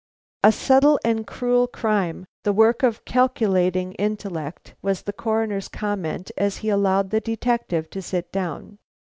"A subtle and cruel crime; the work of a calculating intellect," was the Coroner's comment as he allowed the detective to sit down.